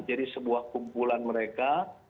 jadi sebuah kumpulan mereka